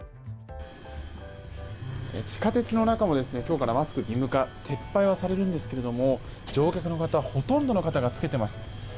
地下鉄の中も今日からマスク義務化が撤廃されるんですが乗客の方ほとんどの方が着けています。